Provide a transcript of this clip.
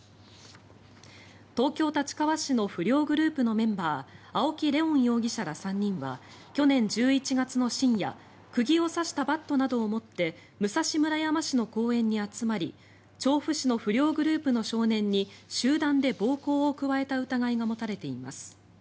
東京・立川市の不良グループのメンバー青木玲音容疑者ら３人は去年１１月の深夜釘を刺したバッドなどを持って武蔵村山市の公園に集まり調布市の不良グループの少年に集団で暴行を加えた疑いが持たれています。